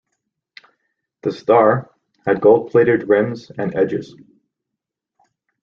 The star had gold-plated rims and edges.